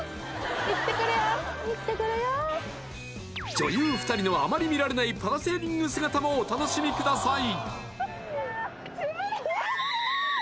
女優２人のあまり見られないパラセーリング姿もお楽しみください